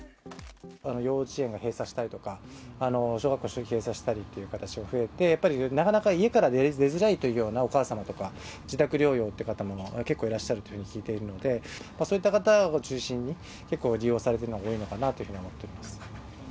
幼稚園が閉鎖したりとか、小学校が休校したりということが増えて、やっぱりなかなか家から出づらいというようなお母さまとか、自宅療養という方も結構いらっしゃるというふうに聞いているので、そういった方を中心に、結構利用されてるのが多いのかなというふう